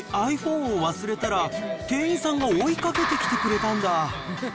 レストランにｉＰｈｏｎｅを忘れたら、店員さんが追いかけてきてくれたんだ。